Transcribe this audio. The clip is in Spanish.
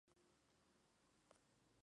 Playa de Mi Señora.